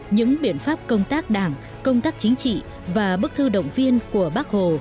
những biện pháp công tác đảng công tác chính trị và bức thư động viên của bác hồ